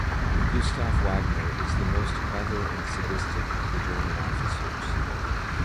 Gustav Wagner is the most clever and sadistic of the German officers.